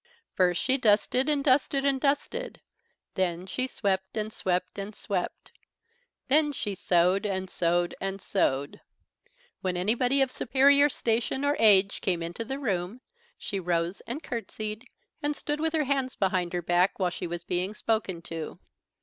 First she dusted and dusted and dusted; then she swept and swept and swept; then she sewed and sewed and sewed. When anybody of superior station or age came into the room she rose and curtsied and stood with her hands behind her back, while she was being spoken to.